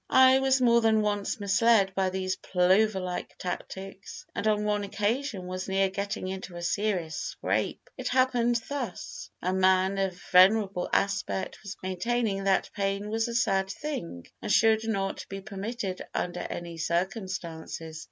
I was more than once misled by these plover like tactics, and on one occasion was near getting into a serious scrape. It happened thus:— A man of venerable aspect was maintaining that pain was a sad thing and should not be permitted under any circumstances.